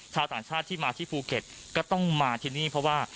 ชาวต่างชาติที่มาที่ภูเก็ตก็ต้องมาที่นี่เพราะว่า